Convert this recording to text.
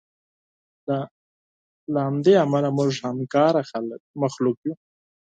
له همدې امله موږ همکاره مخلوق یو.